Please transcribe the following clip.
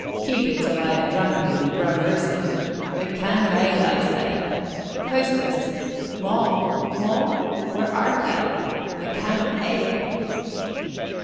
Keep it till I have drunk, and gramercy. A can of ale, I say! Hostess! Moll! Moll! Where art thou? A can of ale!"